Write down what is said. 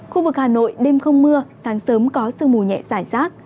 khu vực hà nội đêm không mưa sáng sớm có sương mù nhẹ giải rác